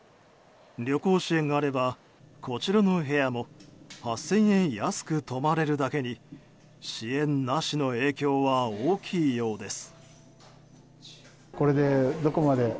旅行支援があればこちらの部屋も８０００円安く泊まれるだけに支援なしの影響は大きいようです。